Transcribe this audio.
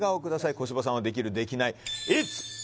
小芝さんはできる？できない？